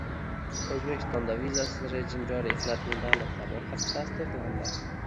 O'zbekistonda vizasiz rejim joriy etilgan davlatlar ro'yxati tasdiqlandi.